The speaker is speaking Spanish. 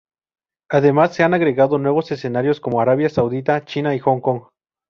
Además, se han agregado nuevos escenarios como Arabia Saudita, China y Hong Kong.